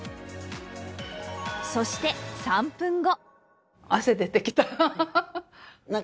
そして３分後